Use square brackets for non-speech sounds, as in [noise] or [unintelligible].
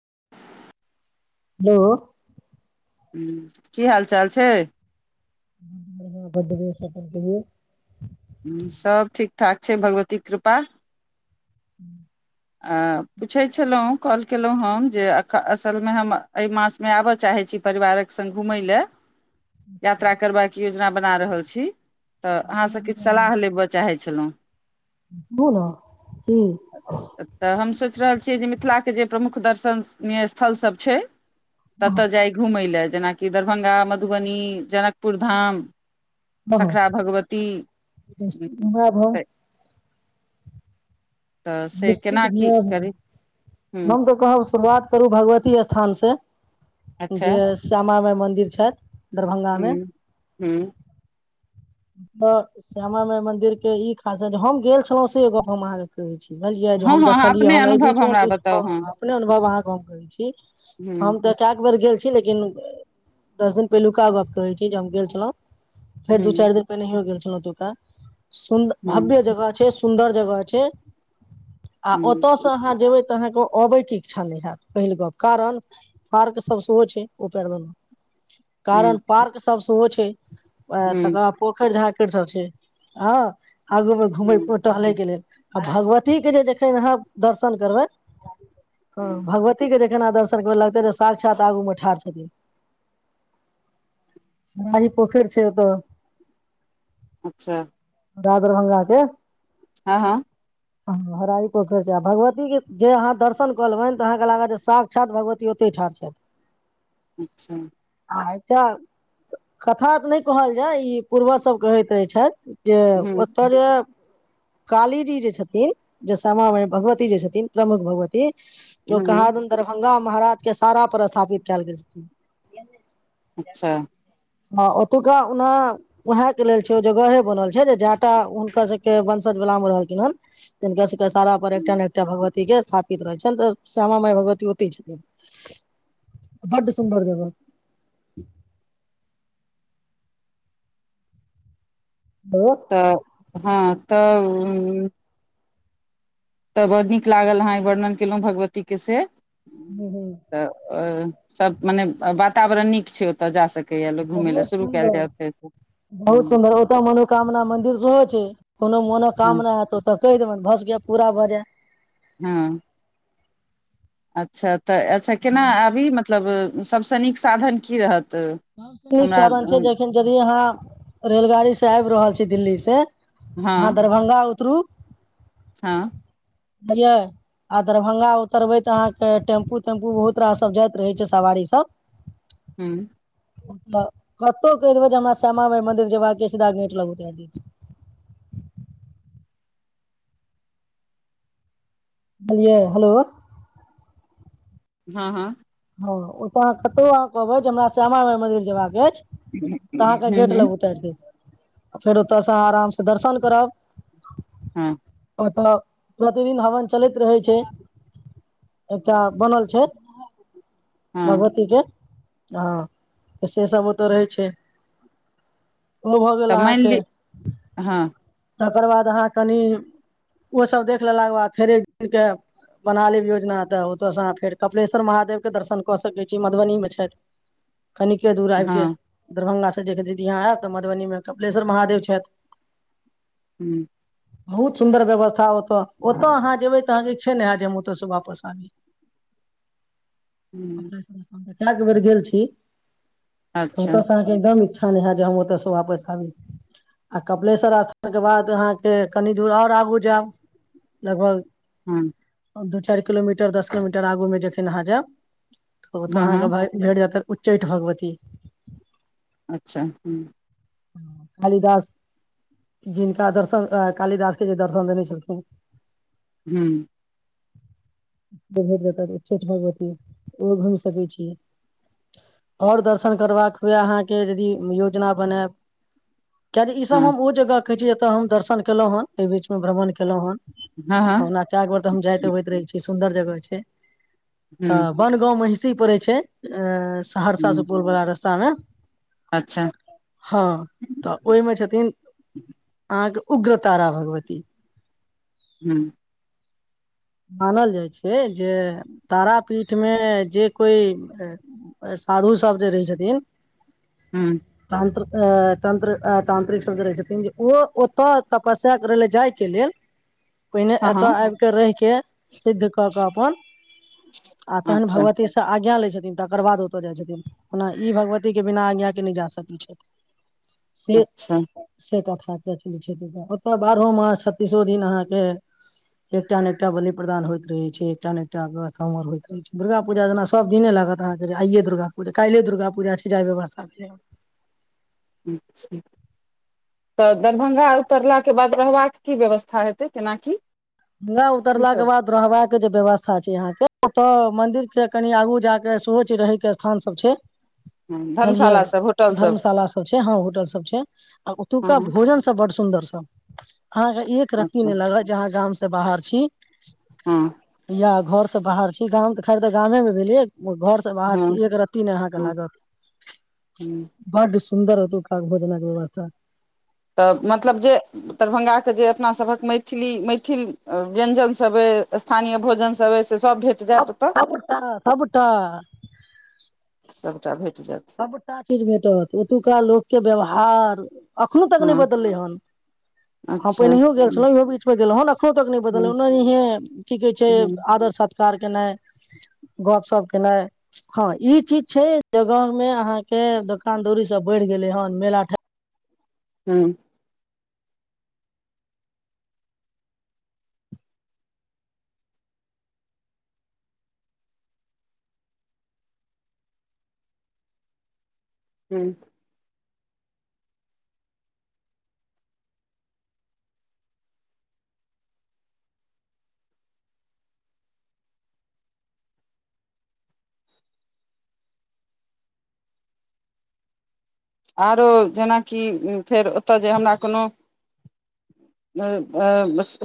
[inaudible] hello ह् की हाल चाल छै बड बेसट अपन कहियो ह सभ ठीक ठाक छै भगवतीक कृपा [inaudible] आ पूछैत छलहुँ कॉल केलहुँ हम जे असलमे हम एहि मासमे आबय चाहै छी परिवारक संग घुमैय लेय यात्रा करबाक योजना बना रहल छी त अहाँ कोन सब विचार सलाह लेबय चाहै छलहुँ [unintelligible] पुरातनिक रहल छियै जे मिथिला के जे प्रमुख दर्शनीय स्थल सब छै ततय जाय घूमय ले जेनाकि दरभंगा मधुबनी जनकपुर धाम सखरा भगवती [unintelligible] तऽ से निश्चित केना की हु हाँ करी ह हम तऽ कहब शुरुआत करू भगवती स्थान से जे अच्छा श्यामा माइ मन्दिर छैथ हू हू तऽ श्यामा माई मंदिर के ई खासियत जे हम गेल छलहु से गप अहाँके कहै छी बुझलियै जे हँ हम हँ अहाँ देखलियै अपने हन एहि अनुभव बीचमे हमरा बताउ हँ अपने अनुभव अहाँके हम आहा के कहै छी हूँ हम तऽ के बेर गेल लेकिन दस दिन पहिलुका गप कर छी जे हम गेल छलहुँ फेर दू हूँ चारि दिन गेल छलहु ओतुका हूँ भव्य जगह छै सुन्दर जगह छै आ हूँ ओतऽ स अहाँ जेबै तऽ अहाँके अबैके इच्छा नहि होयत पहिल गप कारण पार्क सब सेहो छै ओ पार म कारण हूँ पार्क सब सेहो छै तक हूँ पोखैर झाखैर सब छै ह आगू मे हूँ घुम टहले क लेल आ भगवती के जे जखन अहाँ दर्शन करबै ह हूँ भगवती के जे केना दर्शन कर लगते जे साक्षात आगू मे ठाढ़ छथिन माहि पोखर छै ओतअ अच्छा दा दरभंगा के हँ हँ ह हराई पोखरि छै भगवती के जे अहाँ दर्शन कऽ लेबैन त हाँके लागत जे साक्षात भगवती ओते ओतैय ठार छैथ अच्छा आच्छा कथा तऽ नहि कहल जाय ई पूर्वज सब कहैत रहैत छथि जे ओतऽ जे काली जी जे छथिन जे श्यामा माय भगवती जे छथिन प्रमुख भगवती ओ हूँ कहादून दरभंगा महाराज के सारा पर स्थापित कयल गेल छथिन अच्छा हँ ओतुका ओना उएह के लेल छै ओ जगहे बनल छै जेटा हुनका सबके बन मे रहलखिन हन जिनका सारा पर एकटा ने एकटा भगवती के स्थापित रहै छै ने तऽ श्यामा मााय भगवती ओते छथिन बड सुंदर जगह [inaudible] ओ तऽ हँ तऽ इ तऽ बड़ नीक लागल आहा वर्णन केलहुँ भगवतीके से हूँ हूँ तऽ सभ मने वातावरण नीक छै ओतय जा सकै य लोग घुमै ल बहुत शुरू कएल जै सुन्दर ओतय स बहुत सुन्दर ओतऽ मनोकामना मंन्दिर सेहो छै कोनो हँ मनोकामना हैत ओतऽ कहि देबनि भ पूरा भय जाय हाँ अच्छा तऽ अच्छा केना आबी मतलब सबसे नीक साधन की रहत सबसे नीक हमरा साधन छै अ, जखन यदि अहाँ रेलगाड़ी से आबि रहल छी दिल्ली से आहाॅं दरभंगा उतरू हाँ बढ़ियाॅं आ दरभंगा उतरबै तऽ अहाँके टेम्पू तेम्पू बहुत रास सब जाइत रहै छै सवारी सब हू तऽ कतहु कहि देबै जे हमरा श्यामा माइ मन्दिर जयबाके ये सीधा गेट लग उतार देत [inaudible] बुझलिये हेलो हाँ हाँ ओ ओतऽ अहाँ कतो अहाँ कहबै जे हमरा श्यामा माइ मन्दिर जबाक अइछ तऽ अहाँके हूँ गेट लग हूँ उतारि देत आ फेर ओतयसँ आरामसं दर्शन करब हाँ एखनो प्रतिदिन हवन चलैत रहै छै एकटा बनल छै हँ भगवतीके हाँ तऽ से सब ओतय रहै छै ओ भऽ तऽ गेल मानि अहाँके लि हँ तकर बाद अहाँ कनि ओसब देख लेला के बाद फेर एक दिन के बनालेब योजना तऽ ओ तो फेर कपिलेश्वर महादेव दर्शन कऽ सकै छी मधुबनी मे छथ कनिके दूर आबके हँ दरभंगा देख दीदी यहाँ आब तऽ मधुबनी मे कपिलेश्वर महादेव छथि हू बहुत सुन्दर व्यवस्था ओतय ओतय अहाँ जेयबै तऽ अहाँ जे छै ने आ जे हम ओतयसे वापस आबी [inaudible] हूँ कए बेर गेल छी त अच्छा ओतयसे अहाँकेदम इछा इक्ष नइ हैत जे हम ओतएसँ वापस आबी आ कपिलेश्वर स्थान के बाद अहाँके कनी दूर आओर आगू जायब लगभग हाँ दू चार किलोमीटर दश किलोमीटर आगू मे जखन अहाँ जायब ओ तऽ हँ अहाँके हँ भ भेट जाएत उच्चैठ भगवती अच्छा ह्म कालिदास जिनका दर्शन कालिदास के जे दर्शन देने छलखिन ह्म जत छठि भगवती ओहो घुम सकै छी आओर दर्शन करबाक हुए अहाँके यदि योजना बनाएब कियकी हँ इसब हम ओ जगह कहैत छी जतय हम दर्शन केलहुँ हन एहि बीचमे भ्रमण केलहुं हन हँ हँ ओना कए बेर तऽ हम जायत अबैत रहै छी सुंदर जगह छै त हूँ वन गाँव महिषी परै छै एं सहरसा हूँ सुपौल वाला रस्तामे अच्छा हाँ तऽ ओहिमे छथिन अहाँके उग्रतारा भगवती ह्म मानल जाइ छै जे तारापीठमे जे कोई साधु सब जे रहै छथिन हूँ तंत्र अ तन्त्र तांत्रिक सब जे रहै छथिन जे ओ ओतऽ तपस्या करै ल जाइके लेल [inaudible] पहिने एतय हँ आब कऽ रहि के सिद्ध कऽ कऽ अपन आ तहन अच्छा भगवती से आज्ञा लै छथिन तकर बाद ओतय जाइ छथिन ओना ई भगवती के बिना आज्ञाके नहि जा सकैत छथि से अच्छा छै कथा ओतय बारहो मास छ्तीसो दिन अहाँके एकटा नै एकटा बलि प्रदान होइत रहै छै एकटा ने एक गर होइत रह छै दुर्गा पूजा जेना सब दिने लागत अहाँके जे आइये दुर्गा पूजा काइल्हे दुर्गा पूजा छै जे आय व्यवस्था भेलै हं अच्छा तऽ दरभंगा उतरलाके बाद रहबाके की व्यवस्था हेतैइ केनाकि गा उतरलााक के बाद रहबाका के जे व्यवस्था छै अहांके ओतऽ मंदिर के कनि आगू जा के सेहोछै रहै के स्थान सब छै हँ बुझलियै धर्मशाला सब होटल धर्मशाला सब छै हँ होटल सब छै आ हँ ओतुका हँ भोजन सब बड सु सुन्दर सब अहाँके एक रत्ती अच्छा नहि लागत जे अहाँ गांव से बाहर छी हँ हँ घर सँ बाहर छी गाम तऽ खैर तऽ गामेमे भेलि घर से बाहर हँ छी एक रत्ती ने अहाँके हँ लागत हँ बड सु सुन्दर ओतुक्का भोजनक व्यवस्था तऽ मतलब जे दरभंगाके जे अपनासभक मैथिली मैथिल व्यञ्जनसभ अइ स्थानीय भोजन सब ऐ स सब सबटा सबटा सबटा भेट जायत सबटा चीज भेटत ओतुका लोकके व्यवहार अखनो तक नहि हँ बदलै हन हं अच्छा पहिनैयो गेल हूँ छलौ इहो बीचमे गेलउं हन अखनो तक नहि बदल हूँ ओनाहे की कहे छै हूँ आदर सत्कार केनाइ गप सप केनाइ हँ इ चीज छै ज गाँवमे अहाँके दोकान दौरीसभ बढ़ि गेलै हन मेला ठ हँ हँ आरो जेनाकि फेर ओतय जे हमरा कोनो अ आ बस